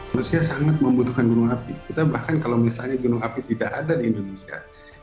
manusia sangat membutuhkan gunung api kita bahkan kalau misalnya gunung api tidak ada di indonesia